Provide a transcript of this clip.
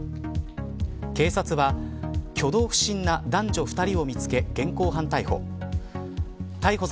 警察は挙動不審な男女２人を見つけ現行犯逮捕。